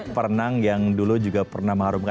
perenang yang dulu juga pernah mengharumkan